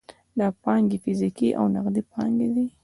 دا پانګې فزیکي او نغدي پانګې دي.